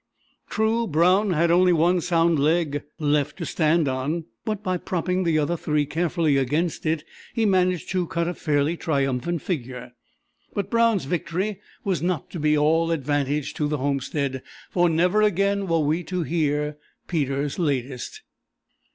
True, Brown had only one sound leg left to stand on, but by propping the other three carefully against it, he managed to cut a fairly triumphant figure. But Brown's victory was not to be all advantage to the homestead, for never again were we to hear "Peter's latest."